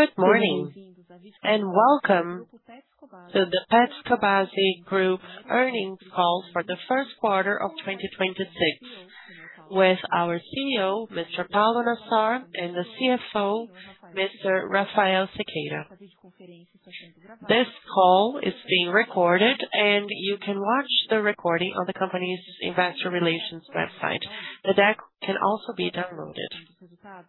Good morning, welcome to the Petz Cobasi Group earnings call for the first quarter of 2026 with our CEO, Mr. Paulo Nassar and the CFO, Mr. Rafael Siqueira. This call is being recorded, you can watch the recording on the company's investor relations website. The deck can also be downloaded.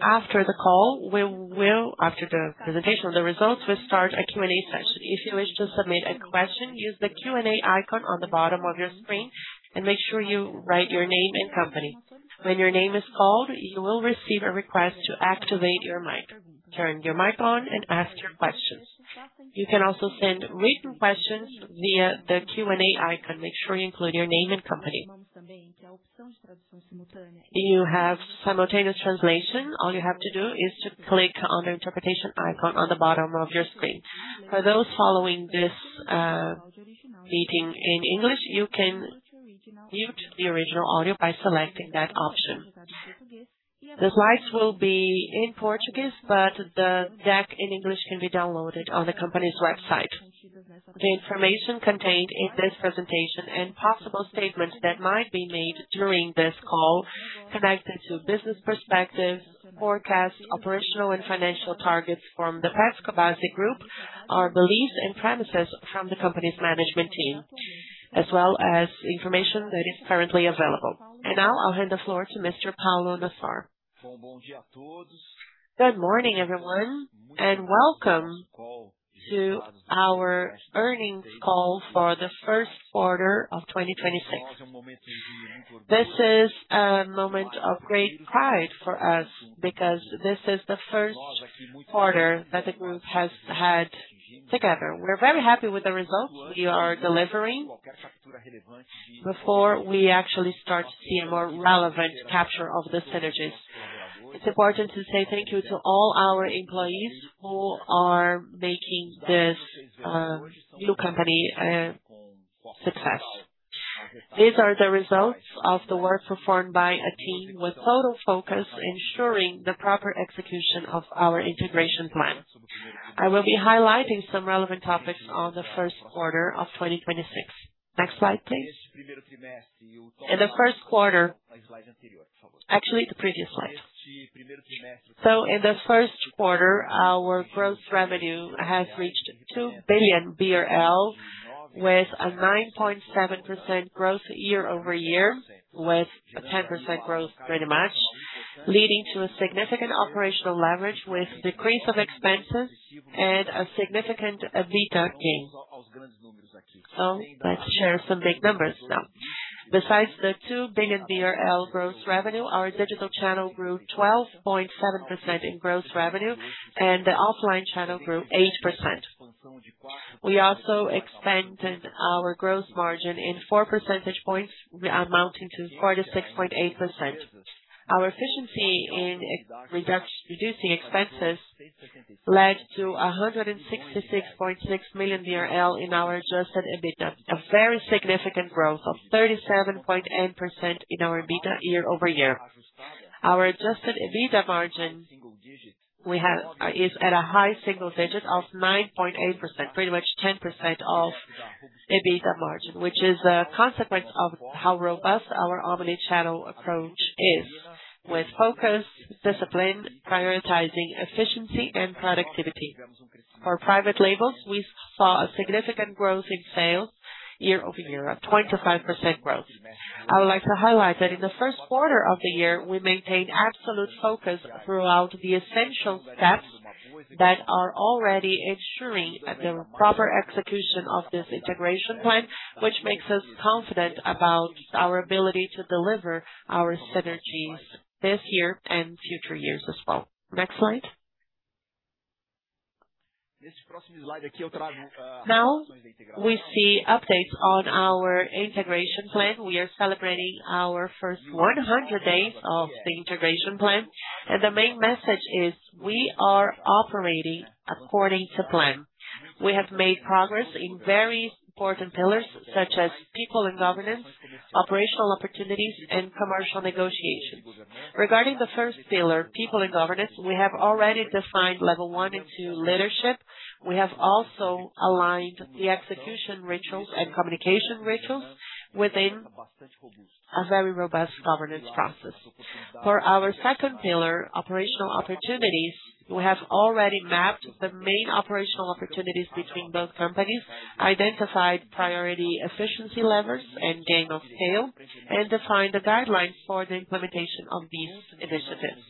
After the presentation of the results, we'll start a Q&A session. If you wish to submit a question, use the Q&A icon on the bottom of your screen, make sure you write your name and company. When your name is called, you will receive a request to activate your mic. Turn your mic on, ask your question. You can also send written questions via the Q&A icon. Make sure you include your name and company. You have simultaneous translation. All you have to do is to click on the interpretation icon on the bottom of your screen. For those following this meeting in English, you can mute the original audio by selecting that option. The slides will be in Portuguese, but the deck in English can be downloaded on the company's website. The information contained in this presentation and possible statements that might be made during this call connected to business perspective, forecast, operational and financial targets from the Petz Cobasi Group are beliefs and premises from the company's management team, as well as information that is currently available. Now I'll hand the floor to Mr. Paulo Nassar. Good morning, everyone, and welcome to our earnings call for the first quarter of 2026. This is a moment of great pride for us because this is the first quarter that the group has had together. We're very happy with the results we are delivering before we actually start to see a more relevant capture of the synergies. It's important to say thank you to all our employees who are making this new company a success. These are the results of the work performed by a team with total focus, ensuring the proper execution of our integration plan. I will be highlighting some relevant topics on the first quarter of 2026. Next slide, please. Actually, the previous slide. In the first quarter, our gross revenue has reached 2 billion BRL, with a 9.7% growth year-over-year, with a 10% growth pretty much, leading to a significant operational leverage with decrease of expenses and a significant EBITDA gain. Let's share some big numbers now. Besides the 2 billion BRL gross revenue, our digital channel grew 12.7% in gross revenue, the offline channel grew 8%. We also expanded our gross margin in 4 percentage points amounting to 46.8%. Our efficiency in reducing expenses led to 166.6 million in our adjusted EBITDA, a very significant growth of 37.8% in our EBITDA year-over-year. Our adjusted EBITDA margin is at a high single digit of 9.8%, pretty much 10% of EBITDA margin, which is a consequence of how robust our omnichannel approach is with focus, discipline, prioritizing efficiency and productivity. For private labels, we saw a significant growth in sales year-over-year of 25% growth. I would like to highlight that in the first quarter of the year, we maintained absolute focus throughout the essential steps that are already ensuring the proper execution of this integration plan, which makes us confident about our ability to deliver our synergies this year and future years as well. Next slide. Now we see updates on our integration plan. We are celebrating our first 100 days of the integration plan, and the main message is we are operating according to plan. We have made progress in very important pillars such as people and governance, operational opportunities and commercial negotiations. Regarding the first pillar, people and governance, we have already defined level one and two leadership. We have also aligned the execution rituals and communication rituals within a very robust governance process. For our second pillar, operational opportunities, we have already mapped the main operational opportunities between both companies, identified priority efficiency levers and gain of scale, and defined the guidelines for the implementation of these initiatives.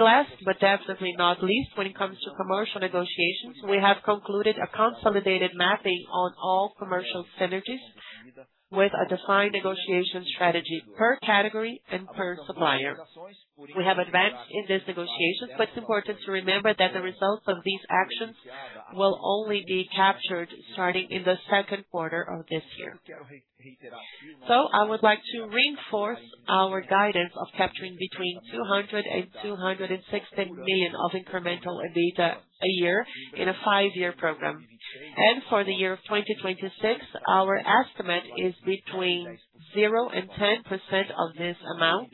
Last, but definitely not least when it comes to commercial negotiations, we have concluded a consolidated mapping on all commercial synergies with a defined negotiation strategy per category and per supplier. We have advanced in these negotiations, but it is important to remember that the results of these actions will only be captured starting in the second quarter of this year. I would like to reinforce our guidance of capturing between 200 million and 260 million of incremental EBITDA a year in a five year program. For the year of 2026, our estimate is between 0% and 10% of this amount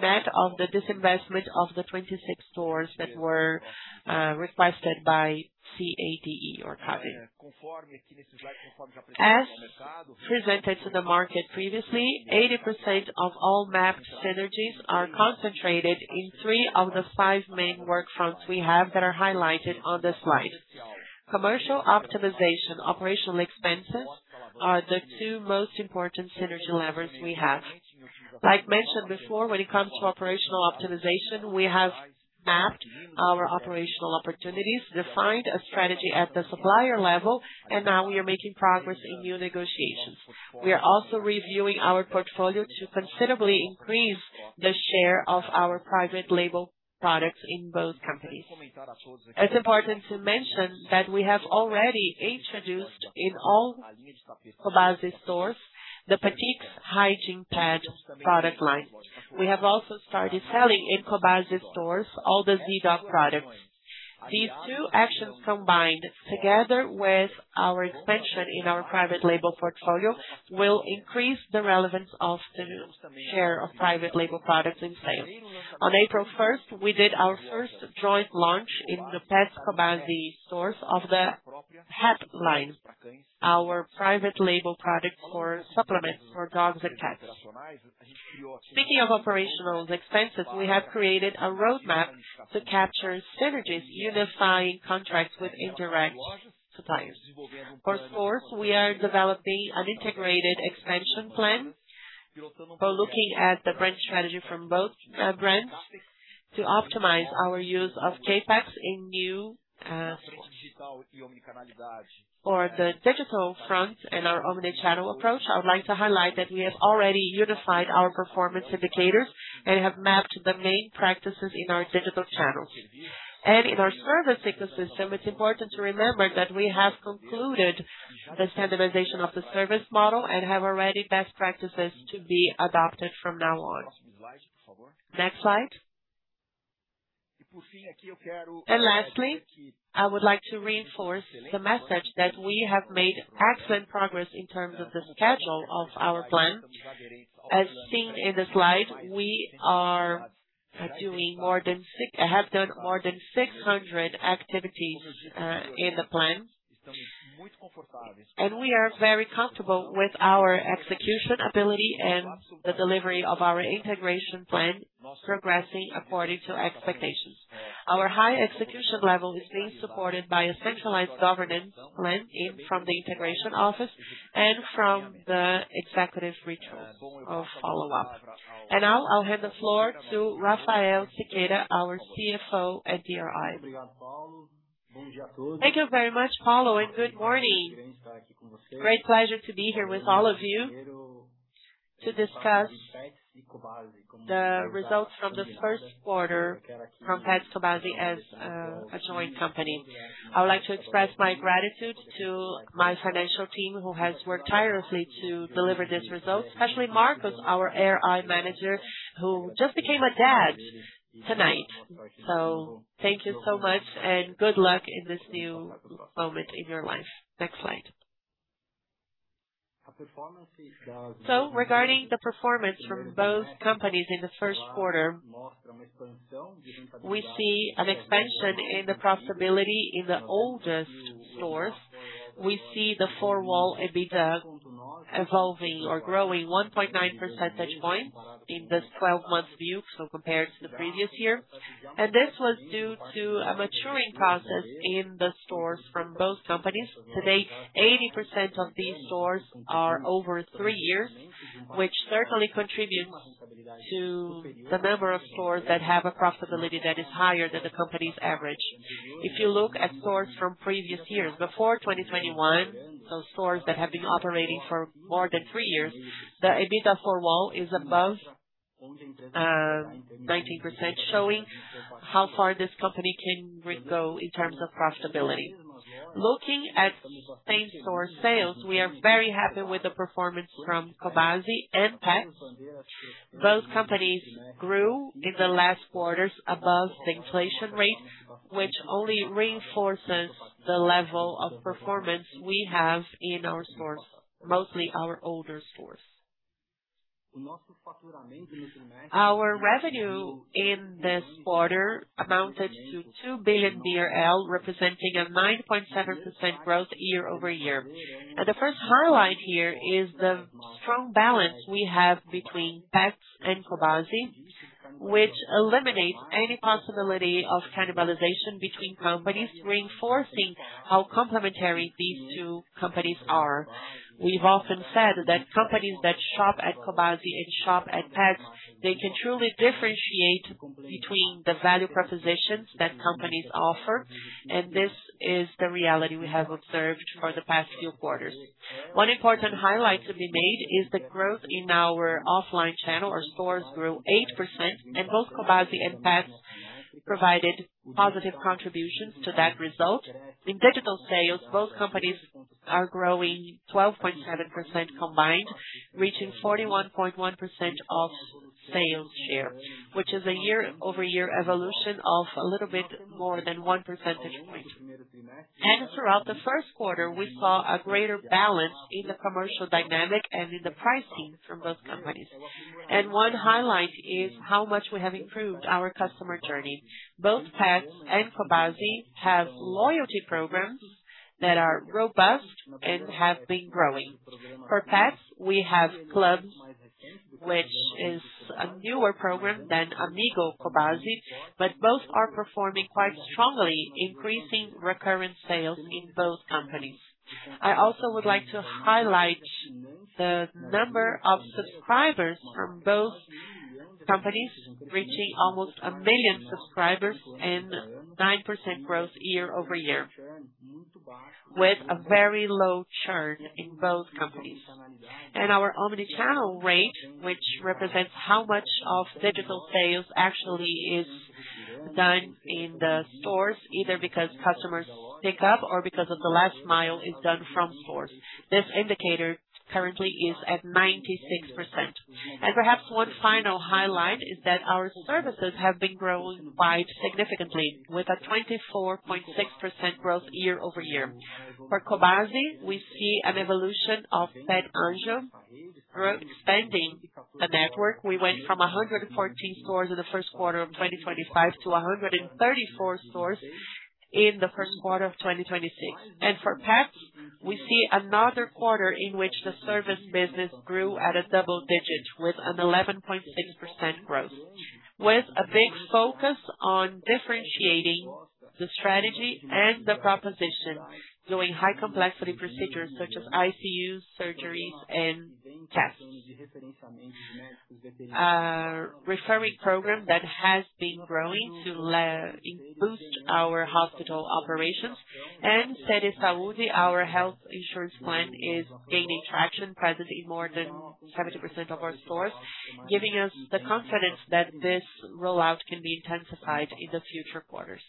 met of the disinvestment of the 26 stores that were requested by CADE. As presented to the market previously, 80% of all mapped synergies are concentrated in three of the five main work fronts we have that are highlighted on the slide. Commercial optimization, operational expenses are the two most important synergy levers we have. Like mentioned before, when it comes to operational optimization, we have mapped our operational opportunities, defined a strategy at the supplier level, and now we are making progress in new negotiations. We are also reviewing our portfolio to considerably increase the share of our private label products in both companies. It's important to mention that we have already introduced in all Cobasi stores the Petix hygiene pad product line. We have also started selling in Cobasi stores all the Zee.Dog products. These two actions combined together with our expansion in our private label portfolio will increase the relevance of the share of private label products in sales. On April 1st, we did our first joint launch in the Petz Cobasi stores of the Hap line, our private label product for supplements for dogs and cats. Speaking of operational expenses, we have created a roadmap to capture synergies unifying contracts with indirect suppliers. For stores, we are developing an integrated expansion plan. We're looking at the brand strategy from both brands to optimize our use of CapEx in new stores. For the digital front, our omnichannel approach, I would like to highlight that we have already unified our performance indicators and have mapped the main practices in our digital channels. In our service ecosystem, it's important to remember that we have concluded the standardization of the service model and have already best practices to be adopted from now on. Next slide. Lastly, I would like to reinforce the message that we have made excellent progress in terms of the schedule of our plan. As seen in the slide, we are doing more than 600 activities in the plan. We are very comfortable with our execution ability and the delivery of our integration plan progressing according to expectations. Our high execution level is being supported by a centralized governance plan from the integration office and from the executive rituals of follow-up. Now I'll hand the floor to Rafael Siqueira, our CFO and IRO. Thank you very much, Paulo, and good morning. Great pleasure to be here with all of you to discuss the results from the first quarter from Petz Cobasi as a joint company. I would like to express my gratitude to my financial team who has worked tirelessly to deliver this result, especially Marcos, our IR manager, who just became a dad tonight. Thank you so much and good luck in this new moment in your life. Next slide. Regarding the performance from both companies in the first quarter, we see an expansion in the profitability in the oldest stores. We see the four-wall EBITDA evolving or growing 1.9 percentage points in this 12-month view, so compared to the previous year. This was due to a maturing process in the stores from both companies. Today, 80% of these stores are over three years, which certainly contributes to the number of stores that have a profitability that is higher than the company's average. If you look at stores from previous years before 2021, so stores that have been operating for more than three years, the EBITDA four-wall is above 19%, showing how far this company can go in terms of profitability. Looking at same-store sales, we are very happy with the performance from Cobasi and Petz. Both companies grew in the last quarters above the inflation rate, which only reinforces the level of performance we have in our stores, mostly our older stores. Our revenue in this quarter amounted to 2 billion BRL, representing a 9.7% growth year-over-year. The first highlight here is the strong balance we have between Petz and Cobasi, which eliminates any possibility of cannibalization between companies, reinforcing how complementary these two companies are. We've often said that companies that shop at Cobasi and shop at Petz, they can truly differentiate between the value propositions that companies offer. This is the reality we have observed for the past few quarters. One important highlight to be made is the growth in our offline channel. Our stores grew 8%. Both Cobasi and Petz provided positive contributions to that result. In digital sales, both companies are growing 12.7% combined, reaching 41.1% of sales share, which is a year-over-year evolution of a little bit more than one percentage point. Throughout the first quarter, we saw a greater balance in the commercial dynamic and in the pricing from both companies. One highlight is how much we have improved our customer journey. Both Petz and Cobasi have loyalty programs that are robust and have been growing. For Petz, we have Clubz, which is a newer program than Amigo Cobasi, but both are performing quite strongly, increasing recurrent sales in both companies. I also would like to highlight the number of subscribers from both companies reaching almost 1 million subscribers and 9% growth year-over-year, with a very low churn in both companies. Our omnichannel rate, which represents how much of digital sales actually is done in the stores, either because customers pickup or because of the last mile is done from stores. This indicator currently is at 96%. Perhaps one final highlight is that our services have been growing quite significantly with a 24.6% growth year-over-year. For Cobasi, we see an evolution of Pet Anjo expanding the network. We went from 114 stores in the first quarter of 2025 to 134 stores in the first quarter of 2026. For Petz, we see another quarter in which the service business grew at a double digit with an 11.6% growth. With a big focus on differentiating the strategy and the proposition, doing high complexity procedures such as ICU surgeries and tests. Referring program that has been growing to boost our hospital operations and Seres Saúde, our health insurance plan is gaining traction present in more than 70% of our stores, giving us the confidence that this rollout can be intensified in the future quarters.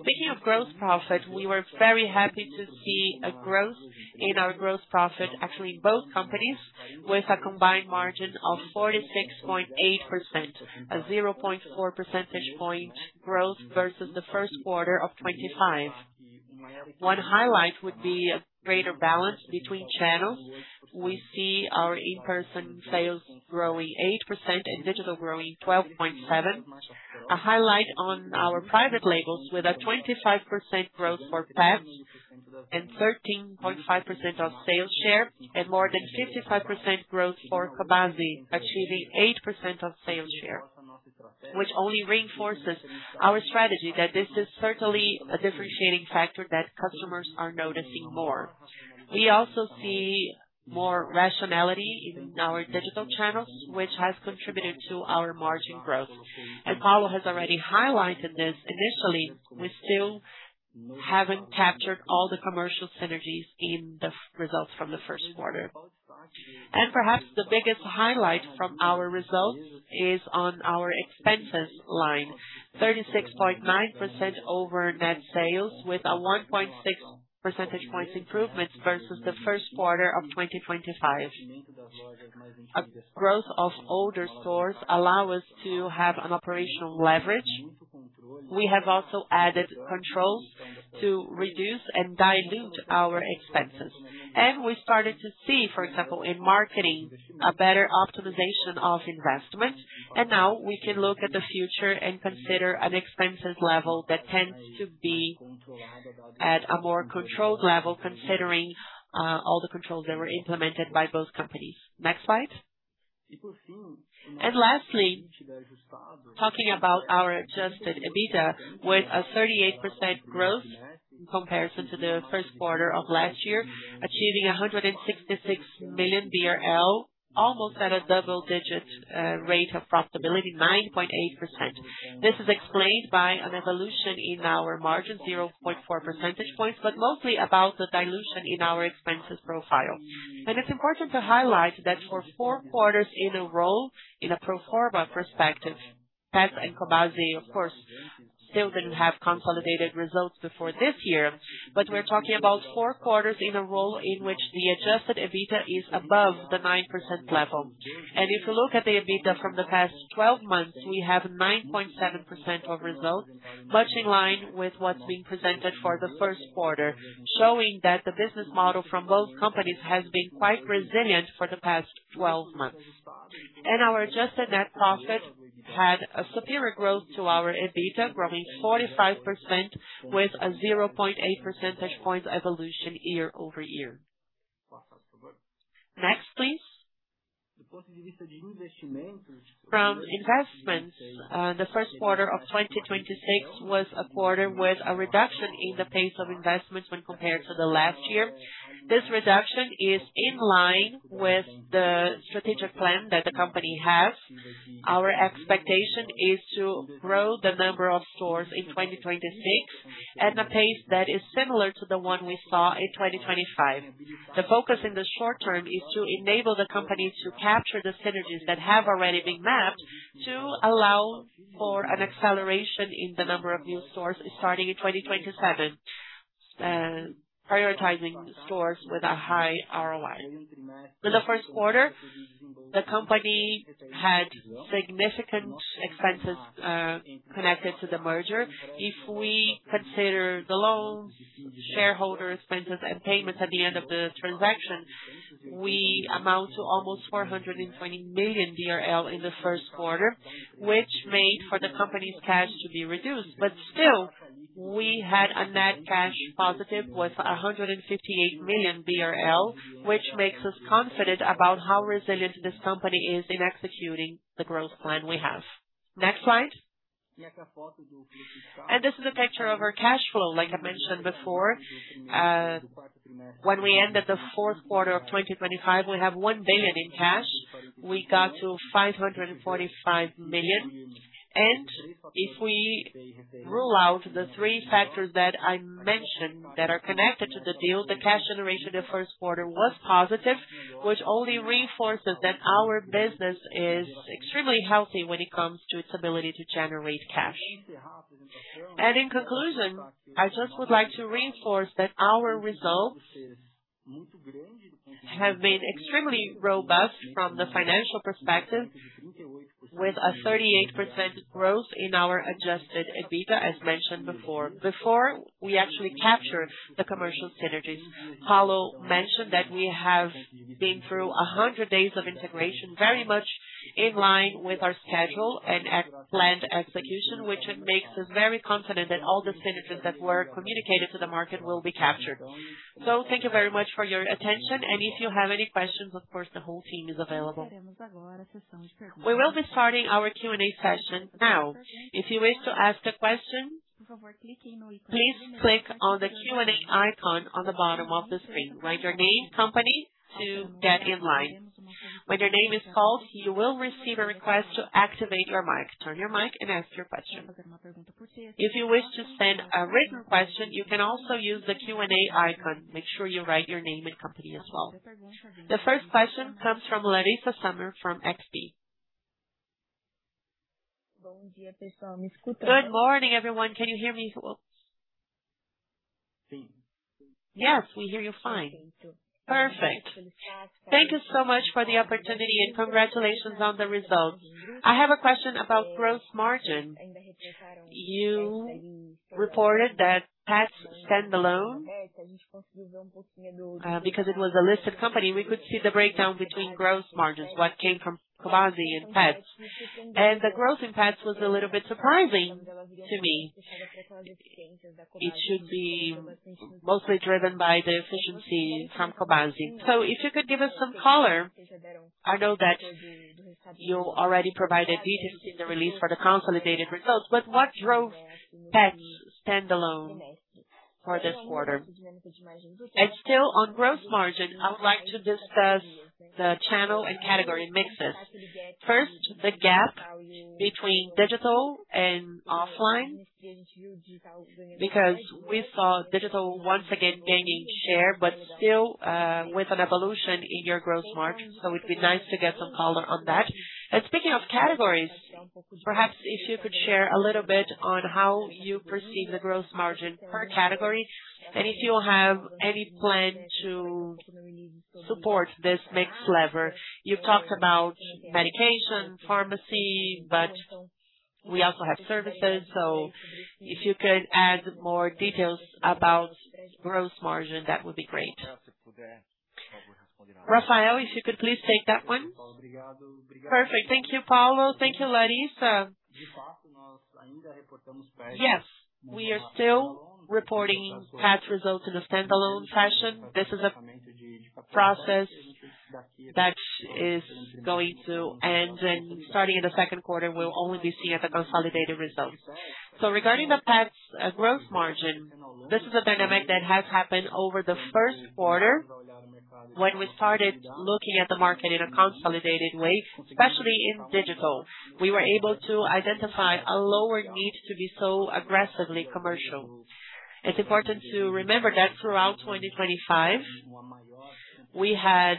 Speaking of gross profit, we were very happy to see a growth in our gross profit, actually in both companies, with a combined margin of 46.8%, a 0.4 percentage point growth versus the first quarter of 2025. One highlight would be a greater balance between channels. We see our in-person sales growing 8% and digital growing 12.7%. A highlight on our private labels with a 25% growth for Petz and 13.5% of sales share and more than 55% growth for Cobasi, achieving 8% of sales share, which only reinforces our strategy that this is certainly a differentiating factor that customers are noticing more. We also see more rationality in our digital channels, which has contributed to our margin growth. Paulo has already highlighted this initially. We still haven't captured all the commercial synergies in the results from the first quarter. Perhaps the biggest highlight from our results is on our expenses line. 36.9% over net sales with a 1.6 percentage points improvement versus the first quarter of 2025. A growth of older stores allow us to have an operational leverage. We have also added controls to reduce and dilute our expenses. We started to see, for example, in marketing a better optimization of investment, and now we can look at the future and consider an expenses level that tends to be at a more controlled level, considering all the controls that were implemented by both companies. Next slide. Lastly, talking about our adjusted EBITDA with a 38% growth in comparison to the first quarter of last year, achieving 166 million BRL, almost at a double-digit rate of profitability, 9.8%. This is explained by an evolution in our margin 0.4 percentage points, but mostly about the dilution in our expenses profile. It's important to highlight that for four quarters in a row in a pro forma perspective, Petz and Cobasi, of course, still didn't have consolidated results before this year. We're talking about four quarters in a row in which the adjusted EBITDA is above the 9% level. If you look at the EBITDA from the past 12 months, we have 9.7% of results, much in line with what's being presented for the first quarter, showing that the business model from both companies has been quite resilient for the past 12 months. Our adjusted net profit had a superior growth to our EBITDA, growing 45% with a 0.8 percentage points evolution year-over-year. Next, please. From investments, the first quarter of 2026 was a quarter with a reduction in the pace of investments when compared to the last year. This reduction is in line with the strategic plan that the company has. Our expectation is to grow the number of stores in 2026 at a pace that is similar to the one we saw in 2025. The focus in the short term is to enable the company to capture the synergies that have already been mapped to allow for an acceleration in the number of new stores starting in 2027. Prioritizing stores with a high ROI. For the first quarter, the company had significant expenses connected to the merger. If we consider the loans, shareholder expenses, and payments at the end of the transaction, we amount to almost 420 million in the first quarter, which made for the company's cash to be reduced. Still, we had a net cash positive with 158 million BRL, which makes us confident about how resilient this company is in executing the growth plan we have. Next slide. This is a picture of our cash flow. Like I mentioned before, when we ended the fourth quarter of 2025, we have 1 billion in cash. We got to 545 million. If we rule out the three factors that I mentioned that are connected to the deal, the cash generation in the first quarter was positive, which only reinforces that our business is extremely healthy when it comes to its ability to generate cash. In conclusion, I just would like to reinforce that our results have been extremely robust from the financial perspective, with a 38% growth in our adjusted EBITDA, as mentioned before we actually captured the commercial synergies. Paulo mentioned that we have been through 100 days of integration, very much in line with our schedule and planned execution, which makes us very confident that all the synergies that were communicated to the market will be captured. Thank you very much for your attention, and if you have any questions, of course, the whole team is available. We will be starting our Q&A session now. If you wish to ask a question, please click on the Q&A icon on the bottom of the screen. Write your name, company to get in line. When your name is called, you will receive a request to activate your mic. Turn your mic and ask your question. If you wish to send a written question, you can also use the Q&A icon. Make sure you write your name and company as well. The first question comes from Larissa Sommer from XP. Good morning, everyone. Can you hear me? Yes, we hear you fine. Perfect. Thank you so much for the opportunity, and congratulations on the results. I have a question about gross margin. You reported that Petz standalone. because it was a listed company, we could see the breakdown between gross margins, what came from Cobasi and Petz. The growth in Petz was a little bit surprising to me. It should be mostly driven by the efficiency from Cobasi. If you could give us some color. I know that you already provided details in the release for the consolidated results, what drove Petz standalone for this quarter? Still on gross margin, I would like to discuss the channel and category mixes. The gap between digital and offline, because we saw digital once again gaining share, still, with an evolution in your gross margin. It'd be nice to get some color on that. Speaking of categories, perhaps if you could share a little bit on how you perceive the gross margin per category, and if you have any plan to support this mix lever. You've talked about medication, pharmacy, we also have services. If you could add more details about gross margin, that would be great. Rafael, if you could please take that one. Perfect. Thank you, Paulo. Thank you, Larissa. Yes, we are still reporting Petz results in a standalone fashion. This is a process that is going to end, and starting in the second quarter, we'll only be seeing the consolidated results. Regarding the Petz growth margin, this is a dynamic that has happened over the first quarter when we started looking at the market in a consolidated way, especially in digital. We were able to identify a lower need to be so aggressively commercial. It's important to remember that throughout 2025, we had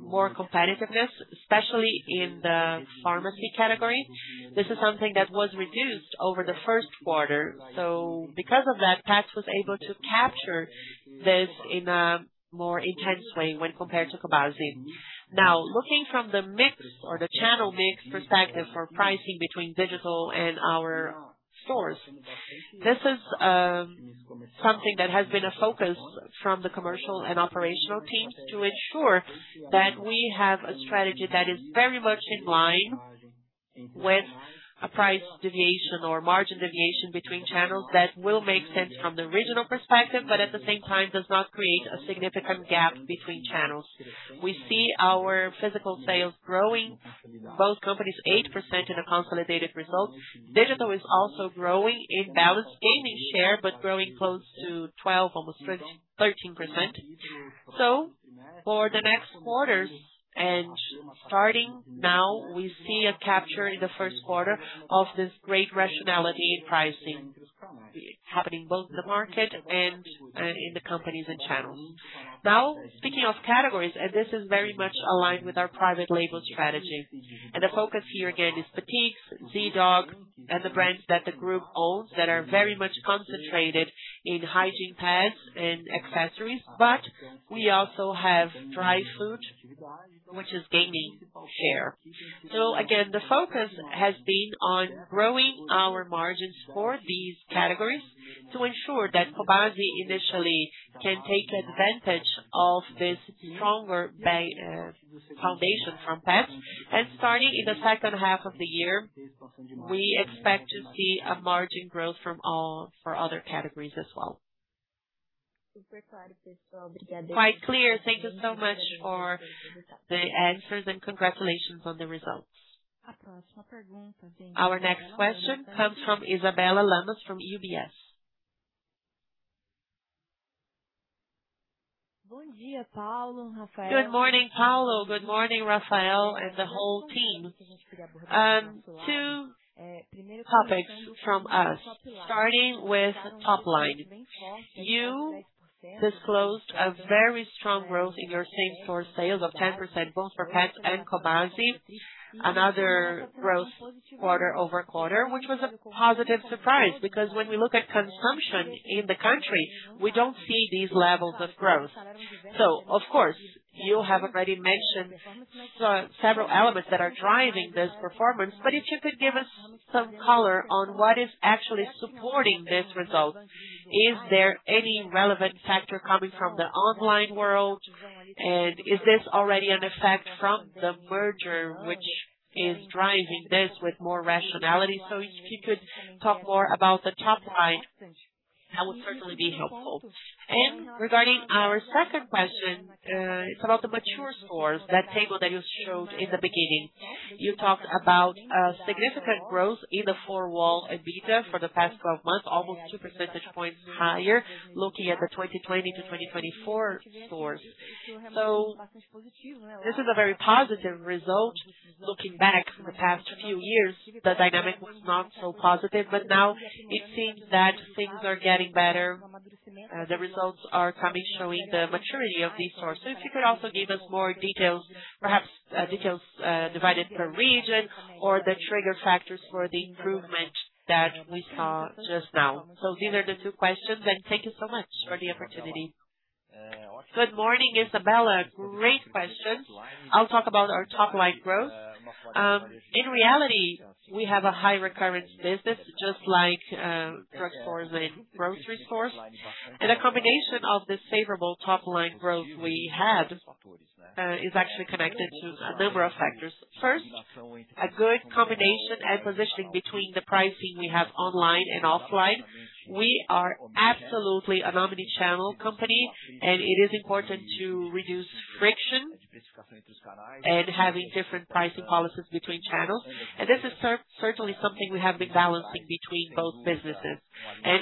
more competitiveness, especially in the pharmacy category. This is something that was reduced over the first quarter. Because of that, Petz was able to capture this in a more intense way when compared to Cobasi. Looking from the mix or the channel mix perspective for pricing between digital and our stores, this is something that has been a focus from the commercial and operational teams to ensure that we have a strategy that is very much in line with a price deviation or margin deviation between channels that will make sense from the regional perspective, but at the same time does not create a significant gap between channels. We see our physical sales growing both companies 8% in a consolidated result. Digital is also growing. It now is gaining share, but growing close to 12%, almost 13%. For the next quarters, and starting now, we see a capture in the first quarter of this great rationality in pricing happening both in the market and in the companies and channels. Speaking of categories, this is very much aligned with our private label strategy. The focus here again is Petix, Zee.Dog, and the brands that the group owns that are very much concentrated in hygiene pads and accessories, but we also have dry food, which is gaining share. Again, the focus has been on growing our margins for these categories to ensure that Cobasi initially can take advantage of this stronger foundation from Petz. Starting in the second half of the year, we expect to see a margin growth for other categories as well. Quite clear. Thank you so much for the answers and congratulations on the results. Our next question comes from Isabella Lamas from UBS. Good morning, Paulo. Good morning, Rafael, and the whole team. Two topics from us. Starting with top line. You disclosed a very strong growth in your same-store sales of 10% both for Petz and Cobasi. Another growth quarter-over-quarter, which was a positive surprise because when we look at consumption in the country, we don't see these levels of growth. Of course, you have already mentioned several elements that are driving this performance, but if you could give us some color on what is actually supporting this result. Is there any relevant factor coming from the online world? Is this already an effect from the merger, which is driving this with more rationality? If you could talk more about the top line, that would certainly be helpful. Regarding our second question, it's about the mature stores, that table that you showed in the beginning. You talked about a significant growth in the four-wall EBITDA for the past 12 months, almost 2 percentage points higher looking at the 2020 to 2024 stores. This is a very positive result. Looking back from the past few years, the dynamic was not so positive, but now it seems that things are getting better. The results are coming showing the maturity of these stores. If you could also give us more details, perhaps, details divided per region or the trigger factors for the improvement that we saw just now. These are the two questions, and thank you so much for the opportunity. Good morning, Isabella. Great questions. I'll talk about our top line growth. In reality, we have a high recurrence business just like drugstores and grocery stores. A combination of this favorable top line growth we have is actually connected to a number of factors. First, a good combination and positioning between the pricing we have online and offline. We are absolutely an omnichannel company and it is important to reduce friction and having different pricing policies between channels. This is certainly something we have been balancing between both businesses.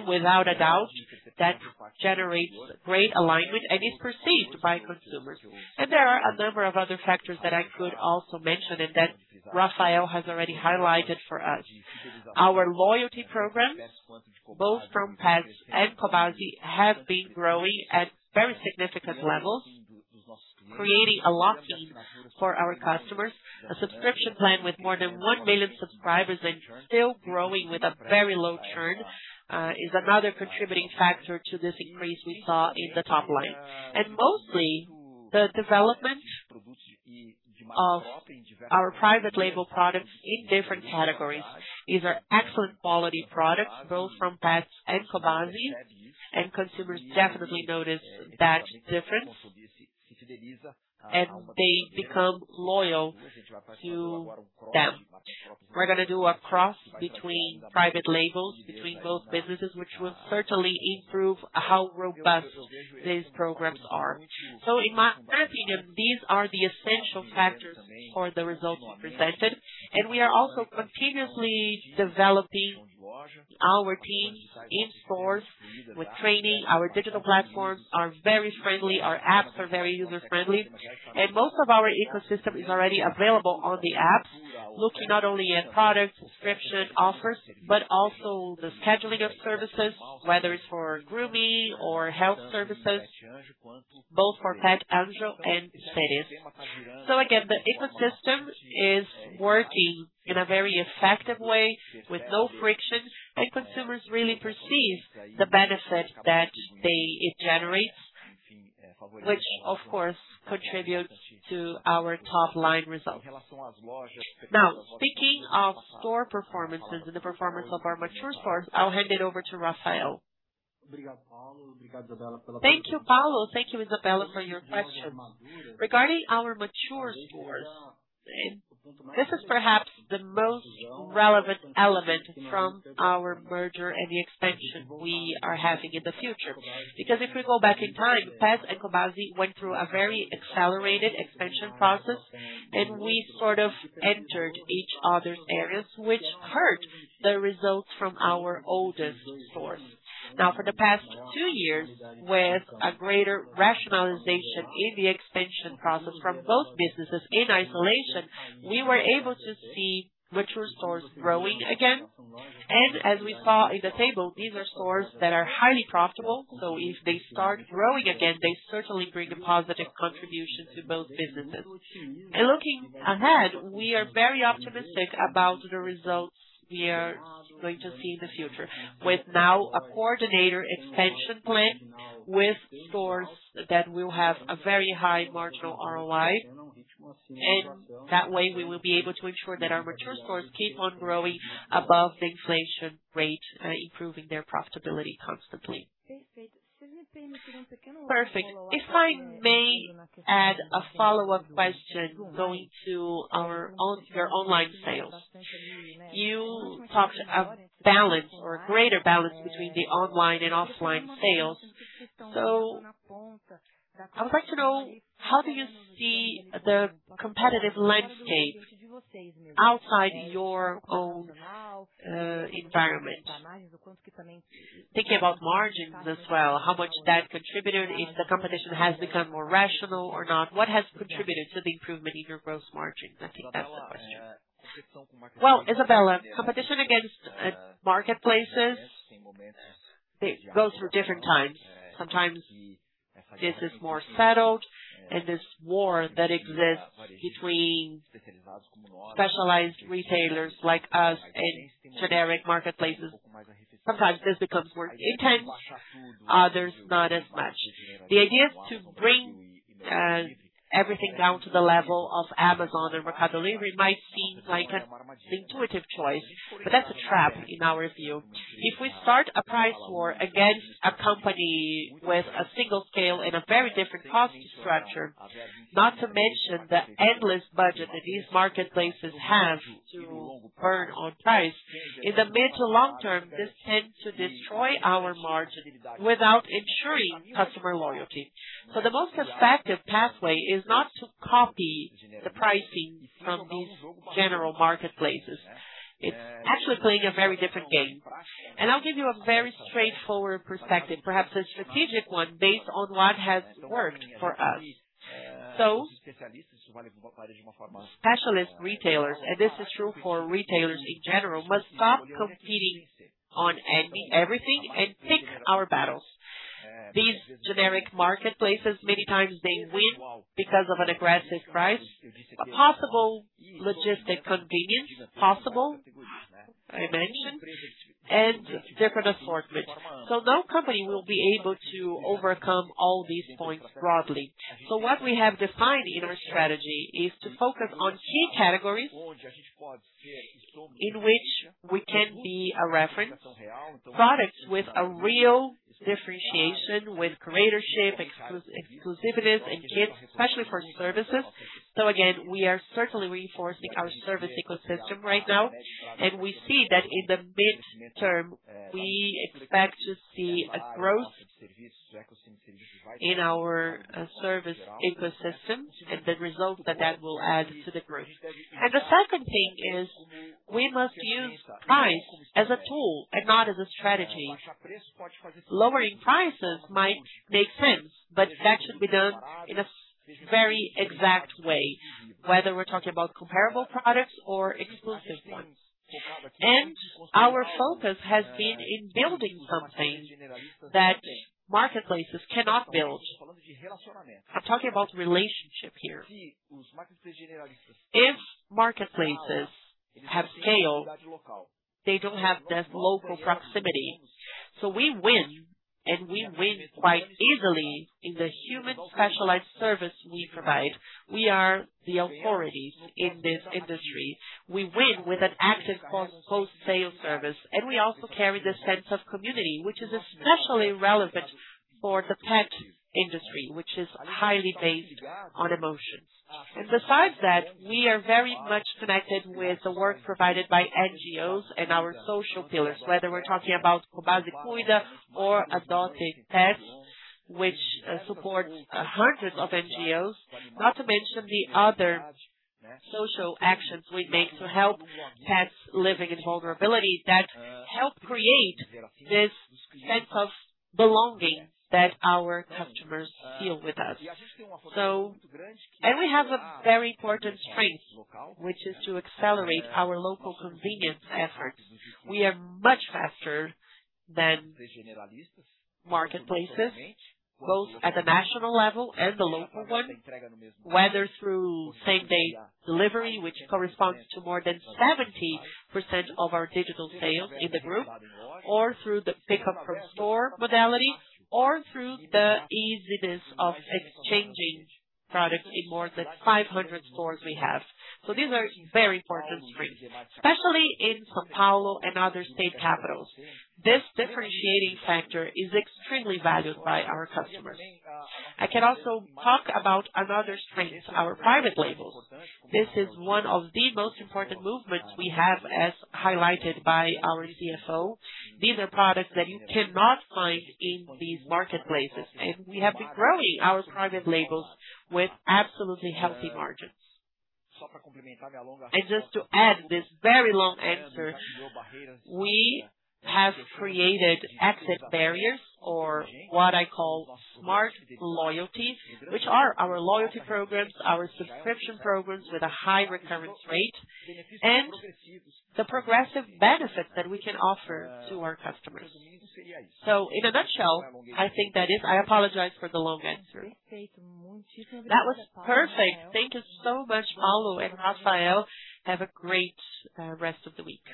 Without a doubt, that generates great alignment and is perceived by consumers. There are a number of other factors that I could also mention and that Rafael has already highlighted for us. Our loyalty program, both from Petz and Cobasi, have been growing at very significant levels, creating a locking for our customers. A subscription plan with more than 1 million subscribers and still growing with a very low churn, is another contributing factor to this increase we saw in the top line. Mostly the development of our private label products in different categories. These are excellent quality products both from Petz and Cobasi, consumers definitely notice that difference and they become loyal to them. We're gonna do a cross between private labels between both businesses which will certainly improve how robust these programs are. In my opinion, these are the essential factors for the results we presented. We are also continuously developing our teams in stores with training. Our digital platforms are very friendly. Our apps are very user-friendly. Most of our ecosystem is already available on the apps, looking not only at product subscription offers, but also the scheduling of services, whether it's for grooming or health services, both for Pet Anjo and [Petz]. Again, the ecosystem is working in a very effective way with no friction, and consumers really perceive the benefit that it generates, which of course contributes to our top line results. Speaking of store performances and the performance of our mature stores, I'll hand it over to Rafael. Thank you, Paulo. Thank you, Isabella for your question. Regarding our mature stores, this is perhaps the most relevant element from our merger and the expansion we are having in the future. If we go back in time, Petz and Cobasi went through a very accelerated expansion process and we sort of entered each other's areas which hurt the results from our oldest stores. For the past two years, with a greater rationalization in the expansion process from both businesses in isolation, we were able to see mature stores growing again. As we saw in the table, these are stores that are highly profitable. If they start growing again, they certainly bring a positive contribution to both businesses. Looking ahead, we are very optimistic about the results we are going to see in the future with now a coordinated expansion plan with stores that will have a very high marginal ROI. That way we will be able to ensure that our return stores keep on growing above the inflation rate, improving their profitability constantly. Perfect. If I may add a follow-up question going to our online sales. You talked a balance or greater balance between the online and offline sales. I would like to know, how do you see the competitive landscape outside your own environment? Thinking about margins as well, how much that contributed if the competition has become more rational or not. What has contributed to the improvement in your gross margins? I think that's the question. Well, Isabella, competition against marketplaces, it goes through different times. Sometimes this is more settled, and this war that exists between specialized retailers like us and generic marketplaces, sometimes this becomes more intense, others not as much. The idea is to bring everything down to the level of Amazon or Mercado Libre might seem like an intuitive choice, but that's a trap in our view. If we start a price war against a company with a single scale and a very different cost structure, not to mention the endless budget that these marketplaces have to burn on price, in the mid to long term, this tends to destroy our margin without ensuring customer loyalty. The most effective pathway is not to copy the pricing from these general marketplaces. It's actually playing a very different game. I'll give you a very straightforward perspective, perhaps a strategic one based on what has worked for us. Specialist retailers, and this is true for retailers in general, must stop competing on any-everything and pick our battles. These generic marketplaces, many times they win because of an aggressive price, a possible logistic convenience, possible, I mentioned, and different assortment. No company will be able to overcome all these points broadly. What we have defined in our strategy is to focus on key categories in which we can be a reference. Products with a real differentiation, with curatorship, exclusiveness, and kits, especially for services. Again, we are certainly reinforcing our service ecosystem right now, and we see that in the mid-term, we expect to see a growth in our service ecosystem and the result that that will add to the growth. The second thing is we must use price as a tool and not as a strategy. Lowering prices might make sense, but that should be done in a very exact way, whether we're talking about comparable products or exclusive ones. Our focus has been in building something that marketplaces cannot build. I'm talking about relationship here. If marketplaces have scale, they don't have the local proximity. We win, and we win quite easily in the human specialized service we provide. We are the authorities in this industry. We win with an active post-sale service, and we also carry the sense of community, which is especially relevant for the pet industry, which is highly based on emotions. Besides that, we are very much connected with the work provided by NGOs and our social pillars, whether we're talking about Cobasi Cuida or AdotePetz, which supports hundreds of NGOs, not to mention the other social actions we make to help pets living in vulnerability that help create this sense of belonging that our customers feel with us. We have a very important strength, which is to accelerate our local convenience efforts. We are much faster than marketplaces, both at the national level and the local one, whether through same-day delivery, which corresponds to more than 70% of our digital sales in the group, or through the pickup from store modality, or through the easiness of exchanging products in more than 500 stores we have. These are very important strengths, especially in São Paulo and other state capitals. This differentiating factor is extremely valued by our customers. I can also talk about another strength: our private labels. This is one of the most important movements we have as highlighted by our CFO. These are products that you cannot find in these marketplaces, and we have been growing our private labels with absolutely healthy margins. Just to add this very long answer, we created exit barriers or what I call smart loyalty, which are our loyalty programs, our subscription programs with a high recurrent rate and the progressive benefits that we can offer to our customers. In a nutshell, I apologize for the long answer. That was perfect. Thank you so much, Paulo and Rafael. Have a great rest of the week.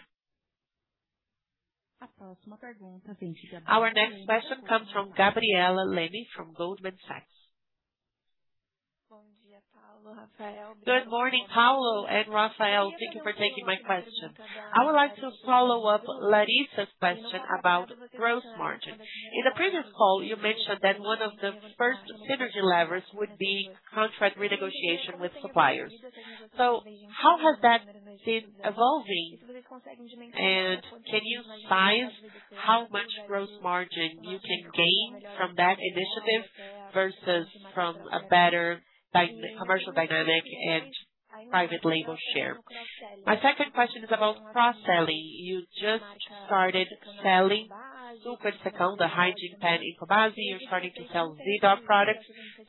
Our next question comes from Gabriela Leme from Goldman Sachs. Good morning, Paulo and Rafael. Thank you for taking my question. I would like to follow up Larissa's question about gross margin. In the previous call, you mentioned that one of the first synergy levers would be contract renegotiation with suppliers. How has that been evolving? Can you size how much gross margin you can gain from that initiative versus from a better commercial dynamic and private label share? My second question is about cross-selling. You just started selling SuperSecão, the hygiene pad in Cobasi. You're starting to sell Zee.Dog products.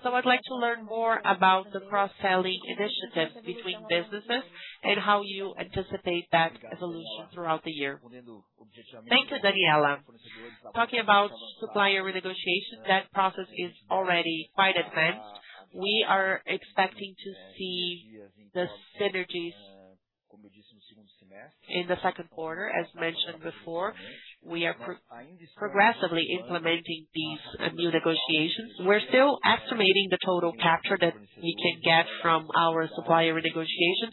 I would like to learn more about the cross-selling initiative between businesses and how you anticipate that evolution throughout the year. Thank you, Gabriela. Talking about supplier renegotiation, that process is already quite advanced. We are expecting to see the synergies in the second quarter. As mentioned before, we are progressively implementing these new negotiations. We're still estimating the total capture that we can get from our supplier renegotiations.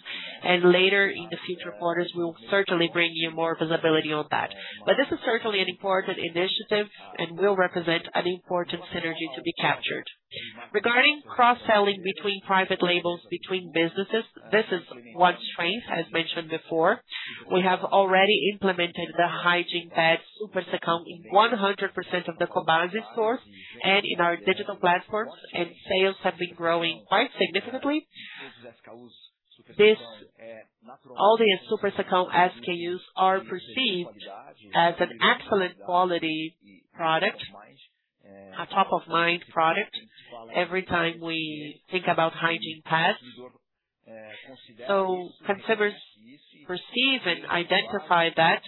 Later in the future quarters, we'll certainly bring you more visibility on that. This is certainly an important initiative and will represent an important synergy to be captured. Regarding cross-selling between private labels between businesses, this is one strength, as mentioned before. We have already implemented the hygiene pad SuperSecão in 100% of the Cobasi stores and in our digital platforms, and sales have been growing quite significantly. All the SuperSecão SKUs are perceived as an excellent quality product, a top of mind product every time we think about hygiene pads. Consumers perceive and identify that,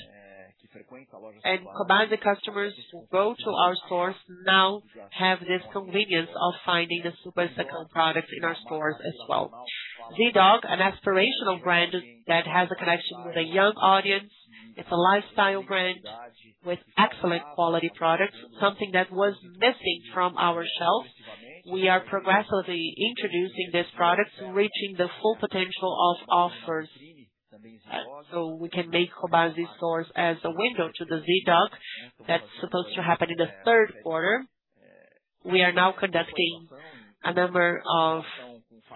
and Cobasi customers who go to our stores now have this convenience of finding the SuperSecão product in our stores as well. Zee.dog, an aspirational brand that has a connection with a young audience. It's a lifestyle brand with excellent quality products, something that was missing from our shelf. We are progressively introducing this product, reaching the full potential of offers, so we can make Cobasi stores as a window to the Zee.Dog that's supposed to happen in the third quarter. We are now conducting a number of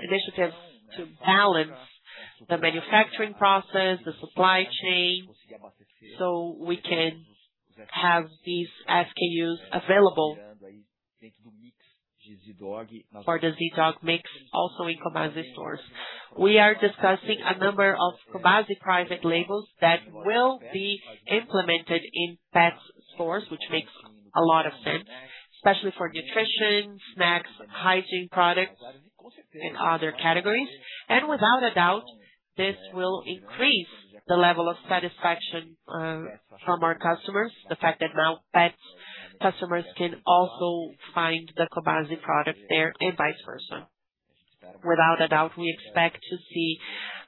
initiatives to balance the manufacturing process, the supply chain, so we can have these SKUs available for the Zee.Dog mix also in Cobasi stores. We are discussing a number of Cobasi private labels that will be implemented in Petz stores, which makes a lot of sense, especially for nutrition, snacks, hygiene products, and other categories. Without a doubt, this will increase the level of satisfaction from our customers, the fact that now Petz customers can also find the Cobasi product there and vice versa. Without a doubt, we expect to see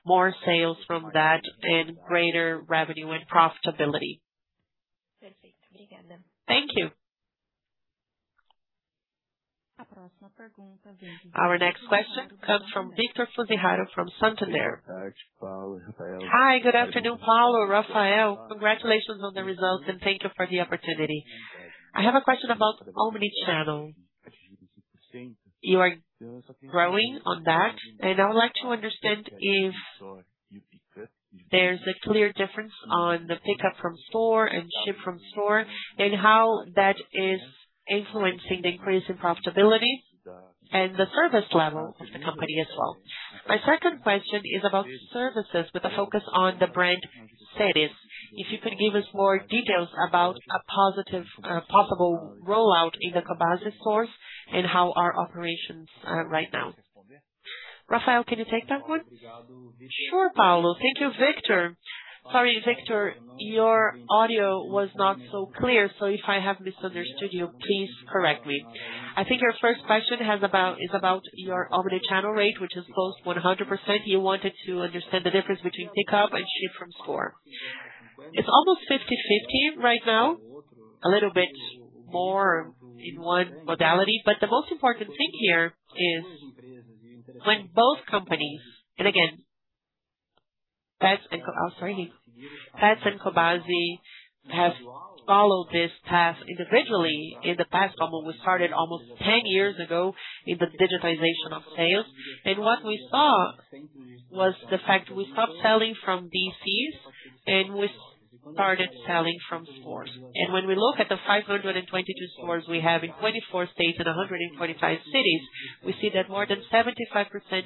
more sales from that and greater revenue and profitability. Thank you. Our next question comes from Vitor Fuziharo from Santander. Hi, good afternoon, Paulo, Rafael. Congratulations on the results, and thank you for the opportunity. I have a question about omnichannel. You are growing on that, and I would like to understand if there's a clear difference on the pickup from store and ship from store and how that is influencing the increase in profitability and the service level of the company as well. My second question is about services with a focus on the brand service. If you could give us more details about a positive, possible rollout in the Cobasi stores and how are operations right now. Rafael, can you take that one? Sure, Paulo. Thank you, Victor. Sorry, Victor, your audio was not so clear, so if I have misunderstood you, please correct me. I think your first question is about your omnichannel rate, which is close to 100%. You wanted to understand the difference between pickup and ship from store. It's almost 50/50 right now, a little bit more in one modality. The most important thing here is when both companies, Petz and Cobasi, have followed this path individually in the past. We started almost 10 years ago in the digitization of sales. What we saw was the fact we stopped selling from DCs, and we started selling from stores. When we look at the 522 stores we have in 24 states and 145 cities, we see that more than 75%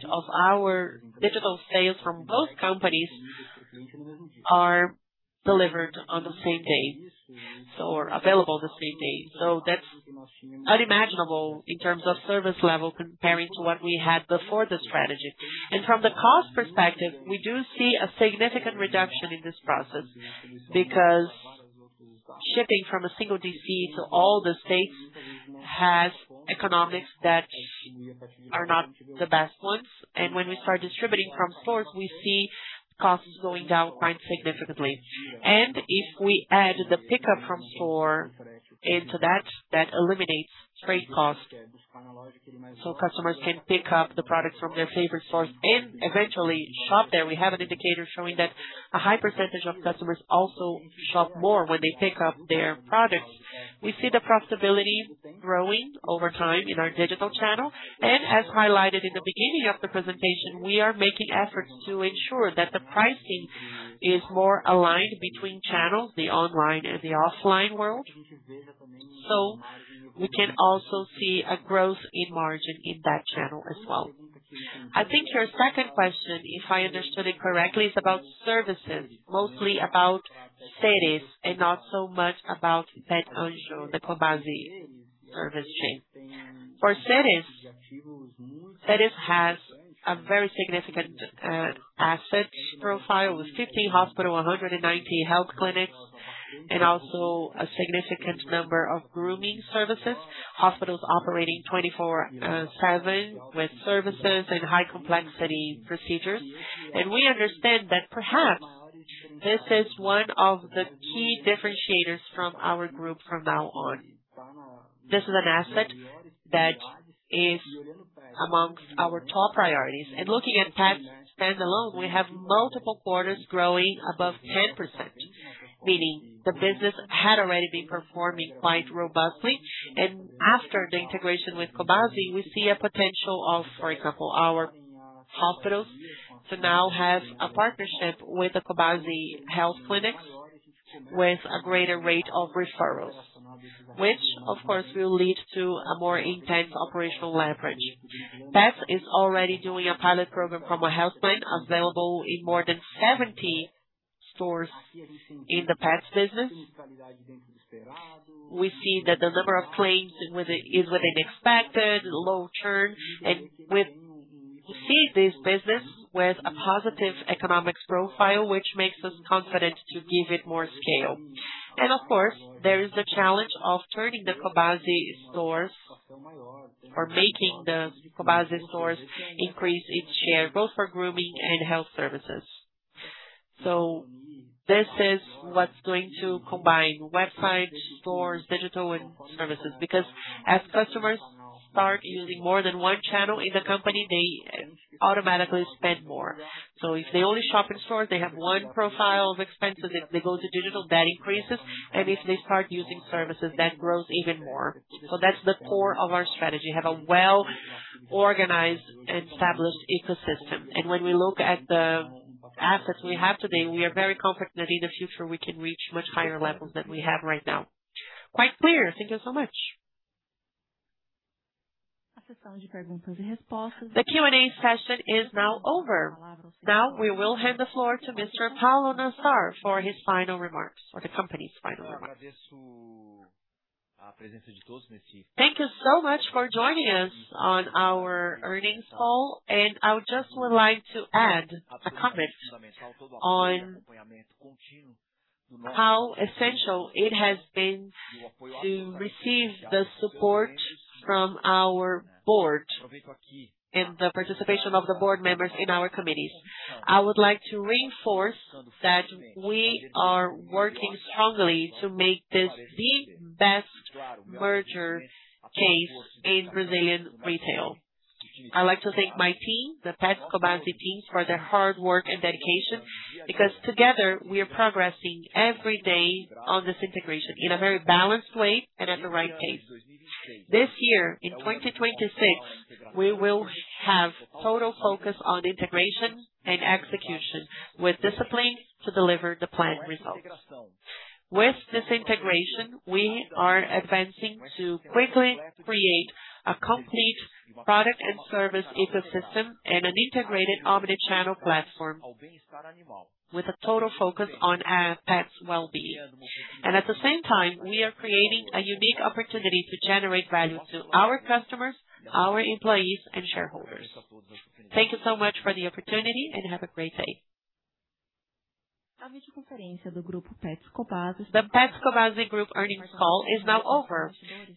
of our digital sales from both companies are delivered on the same day or available the same day. That's unimaginable in terms of service level comparing to what we had before the strategy. From the cost perspective, we do see a significant reduction in this process because shipping from a single DC to all the states has economics that are not the best ones. When we start distributing from stores, we see costs going down quite significantly. If we add the pickup from store into that eliminates freight costs, so customers can pick up the products from their favorite stores and eventually shop there. We have an indicator showing that a high percentage of customers also shop more when they pick up their products. We see the profitability growing over time in our digital channel. As highlighted in the beginning of the presentation, we are making efforts to ensure that the pricing is more aligned between channels, the online and the offline world. We can also see a growth in margin in that channel as well. I think your second question, if I understood it correctly, is about services, mostly about Seres and not so much about Pet Anjo, the Cobasi service chain. For Seres has a very significant asset profile with 50 hospitals, 190 health clinics, and also a significant number of grooming services. Hospitals operating 24/7 with services and high complexity procedures. We understand that perhaps this is one of the key differentiators from our group from now on. This is an asset that is amongst our top priorities. Looking at Petz standalone, we have multiple quarters growing above 10%, meaning the business had already been performing quite robustly. After the integration with Cobasi, we see a potential of, for example, our hospitals to now have a partnership with the Cobasi health clinics with a greater rate of referrals. Which of course will lead to a more intense operational leverage. Petz is already doing a pilot program from a health plan available in more than 70 stores in the Petz business. We see that the number of claims is within expected low churn. We see this business with a positive economics profile, which makes us confident to give it more scale. Of course, there is the challenge of turning the Cobasi stores or making the Cobasi stores increase its share both for grooming and health services. This is what's going to combine website, stores, digital and services. As customers start using more than one channel in the company, they automatically spend more. If they only shop in stores, they have one profile of expenses. If they go to digital, that increases. If they start using services, that grows even more. That's the core of our strategy. Have a well-organized and established ecosystem. When we look at the assets we have today, we are very confident that in the future we can reach much higher levels than we have right now. Quite clear. Thank you so much. The Q&A session is now over. Now, we will hand the floor to Mr. Paulo Nassar for his final remarks or the company's final remarks. Thank you so much for joining us on our earnings call, I would just like to add a comment on how essential it has been to receive the support from our Board and the participation of the Board members in our committees. I would like to reinforce that we are working strongly to make this the best merger case in Brazilian retail. I like to thank my team, the Petz Cobasi teams, for their hard work and dedication, because together we are progressing every day on this integration in a very balanced way and at the right pace. This year, in 2026, we will have total focus on integration and execution with discipline to deliver the planned results. With this integration, we are advancing to quickly create a complete product and service ecosystem and an integrated omnichannel platform with a total focus on pets wellbeing. At the same time, we are creating a unique opportunity to generate value to our customers, our employees and shareholders. Thank you so much for the opportunity and have a great day. The Petz Cobasi group earnings call is now over.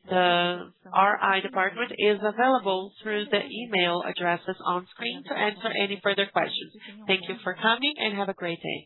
The IR department is available through the email addresses on screen to answer any further questions. Thank you for coming, and have a great day.